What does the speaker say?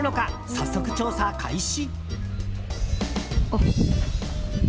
早速、調査開始！